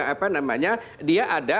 apa namanya dia ada